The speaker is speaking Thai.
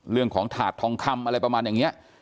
เรื่องของถาดทองคำอะไรประมาณอย่างนี้